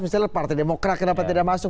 misalnya partai demokrat kenapa tidak masuk